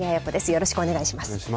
よろしくお願いします。